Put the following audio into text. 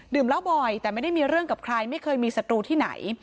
เล่าบ่อยแต่ไม่ได้มีเรื่องกับใครไม่เคยมีศัตรูที่ไหน